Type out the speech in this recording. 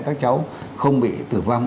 các cháu không bị tử vong